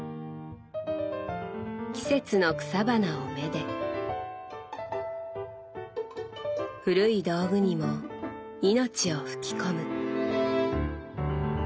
季節の草花を愛で古い道具にも命を吹き込む。